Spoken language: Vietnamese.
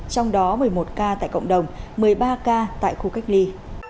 trong đó một mươi một ca tại cộng đồng một mươi ba ca tại khu cách ly